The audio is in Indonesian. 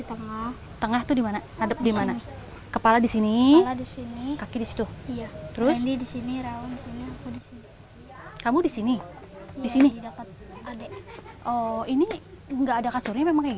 oh ini nggak ada kasurnya memang kayak gini